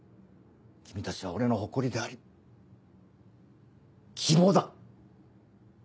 君たちは俺の誇りであり希望だ。